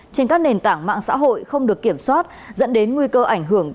trên các nền tảng mạng xã hội không được kiểm soát dẫn đến nguy cơ ảnh hưởng